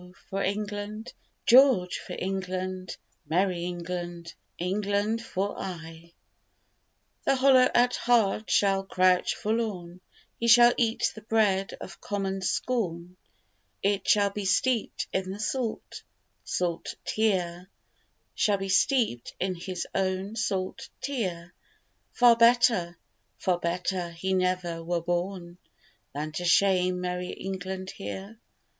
for England! George for England! Merry England! England for aye! The hollow at heart shall crouch forlorn, He shall eat the bread of common scorn; It shall be steeped in the salt, salt tear, Shall be steeped in his own salt tear: Far better, far better he never were born Than to shame merry England here.